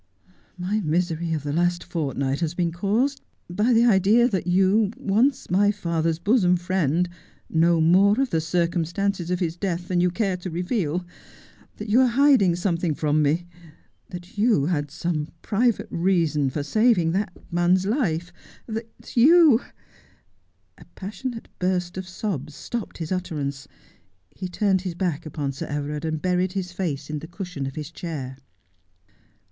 My misery of the last fortnight has been caused by the idea that you, once my father's bosom friend, know more of the circumstances of his death than you care to reveal — that you are hiding some thing from me, that you had some private reason for saving that man's life, that you ' A passionate burst of sobs stopped his utterance. He turned his back upon Sir Everard and buried his face in the cushion of his chair.